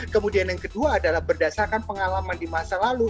kemudian yang kedua adalah berdasarkan pengalaman di masa lalu